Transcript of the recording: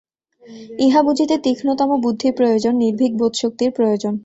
ইহা বুঝিতে তীক্ষ্ণতম বুদ্ধির প্রয়োজন, নির্ভীক বোধশক্তির প্রয়োজন।